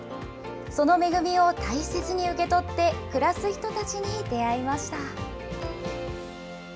その恵みを大切に受け取って、暮らす人たちに出会いました。